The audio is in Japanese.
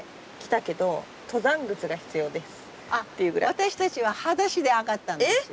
私たちははだしで上がったんですよ。